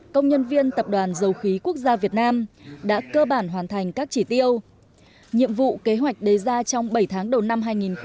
công nhân viên tập đoàn dầu khí quốc gia việt nam đã cơ bản hoàn thành các chỉ tiêu nhiệm vụ kế hoạch đề ra trong bảy tháng đầu năm hai nghìn hai mươi